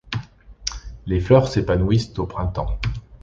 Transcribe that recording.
Les fleurs s'épanouissent au printemps.